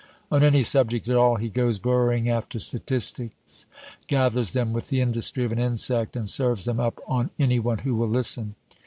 On any subject at all, he goes burrowing after statistics, gathers them with the industry of an insect, and serves them up on any one who will listen.